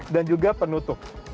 dan juga penutup